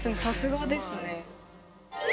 さすがですね。